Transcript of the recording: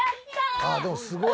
ああでもすごい。